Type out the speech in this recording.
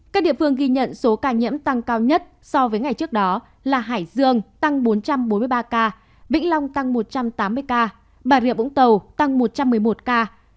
các địa phương ghi nhận số ca nhiễm tăng cao nhất so với ngày trước đó là hải dương tăng bốn trăm bốn mươi ba ca vĩnh long tăng một trăm tám mươi ca bà rịa vũng tàu tăng một trăm một mươi một ca